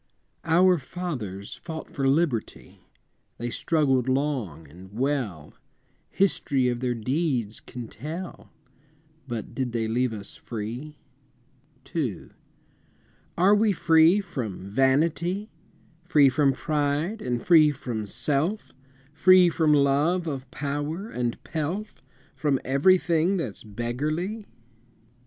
I. Our fathers fought for Liberty, They struggled long and well, History of their deeds can tell But did they leave us free? II. Are we free from vanity, Free from pride, and free from self, Free from love of power and pelf, From everything that's beggarly?